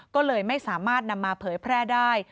ก็เลยไม่สามารถนำมาเผยแพร่ได้